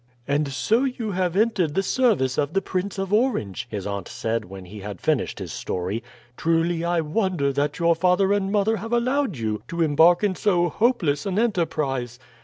"And so you have entered the service of the Prince of Orange?" his aunt said when he had finished his story. "Truly I wonder that your father and mother have allowed you to embark in so hopeless an enterprise."